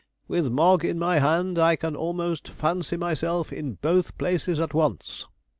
With Mogg in my hand, I can almost fancy myself in both places at once.